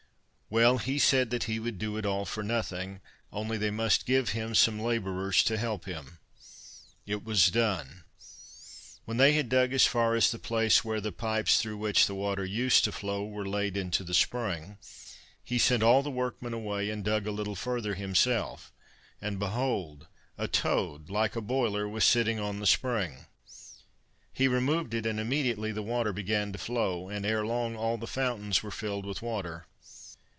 Well, he said that he would do it all for nothing, only they must give him some labourers to help him. It was done. When they had dug as far as the place where the pipes, through which the water used to flow, were laid into the spring, he sent all the workmen away and dug a little further himself, and behold! a toad, like a boiler, was sitting on the spring. He removed it, and immediately the water began to flow, and ere long all the fountains were filled with water.